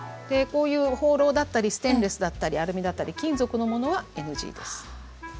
こういうホーローだったりステンレスだったりアルミだったり金属のものはＮＧです。